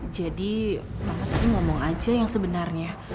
jadi mama tadi ngomong aja yang sebenarnya